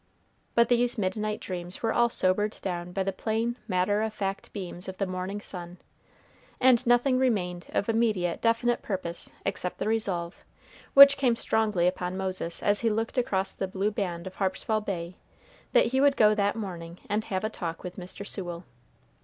But these midnight dreams were all sobered down by the plain matter of fact beams of the morning sun, and nothing remained of immediate definite purpose except the resolve, which came strongly upon Moses as he looked across the blue band of Harpswell Bay, that he would go that morning and have a talk with Mr. Sewell.